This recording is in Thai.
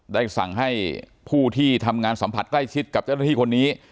ได้สั่งให้ผู้ที่ทำงานสัมผัสใกล้ชิดกับเจ้าหน้าที่คนนี้